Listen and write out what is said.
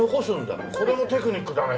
これもテクニックだね。